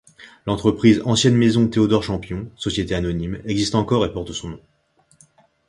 L'entreprise Ancienne Maison Théodore Champion, société anonyme, existe encore et porte son nom.